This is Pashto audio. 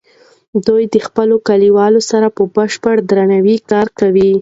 دوی د خپلو کلیوالو سره په بشپړ درناوي کار کوي.